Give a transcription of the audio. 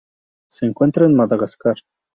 Se encuentran en Madagascar.